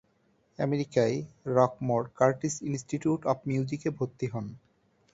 আমেরিকায় Rockmore Curtis Institute of মিউজিকে ভর্তি হন।